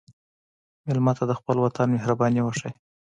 مېلمه ته د خپل وطن مهرباني وښیه.